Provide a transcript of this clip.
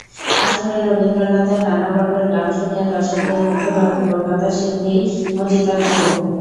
আসরে রবীন্দ্রনাথের নানা পর্বের গান শুনিয়ে দর্শকদের মুগ্ধ করেন কলকাতার শিল্পী অজিতা গুহ।